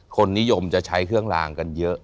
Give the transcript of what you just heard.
คนนิยมจะใช้เครื่องลางกันเยอะ